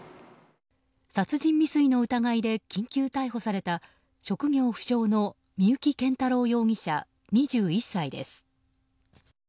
殺人未遂の疑いで緊急逮捕された職業不詳の三幸謙太郎容疑者、２１歳です。